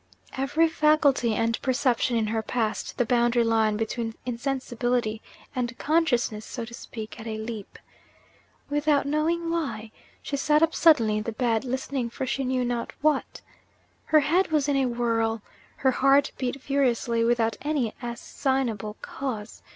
Every faculty and perception in her passed the boundary line between insensibility and consciousness, so to speak, at a leap. Without knowing why, she sat up suddenly in the bed, listening for she knew not what. Her head was in a whirl; her heart beat furiously, without any assignable cause.